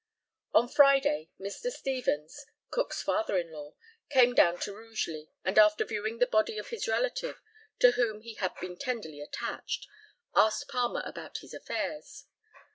On Friday Mr. Stevens, Cook's father in law, came down to Rugeley, and, after viewing the body of his relative, to whom he had been tenderly attached, asked Palmer about his affairs.